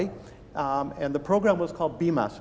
dan program ini disebut bimas